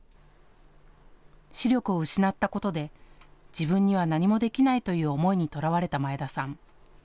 視力を失ったことで自分には何もできないという思いにとらわれた前田さん。